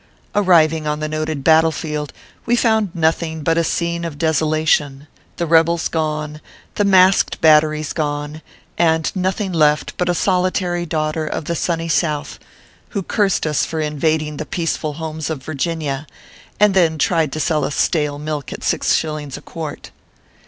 Arriving on the noted battle field, we found noth ing but a scene of desolation ; the rebels gone ; the masked batteries gone ; and nothing left but a soli tary daughter of the sunny South, who cursed us for invading the peaceful homes of Virginia, and then tried to sell us stale milk at six shillings a quart.